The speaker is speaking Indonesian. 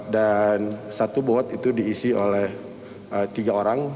dan satu bot itu diisi oleh tiga orang